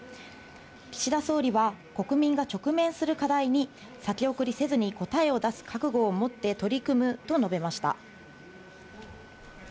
岸田総理は国民が直面する課題に先送りせずに答えを出す覚悟を持って取り組むと述べました。